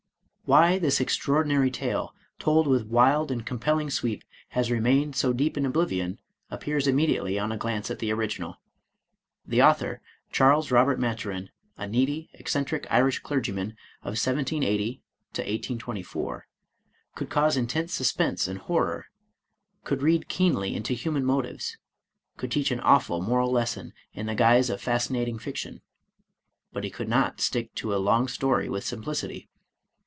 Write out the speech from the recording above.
Why this extraordinary tale, told with wild and compelling sweep, has remained so deep in oblivion, appears immediately on a glance at the original. The author, Charles Robert Maturin, a needy, eccentric Irish clergyman of 1 780 1 824, could cause intense suspense and horror— could read keenly into human motives^ could teach an awful moral lesson in the guise of fascinating fiction, but he could not stick to a long story with simplicity.